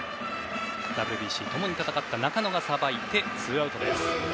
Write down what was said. ＷＢＣ共に戦った中野がさばいてツーアウトです。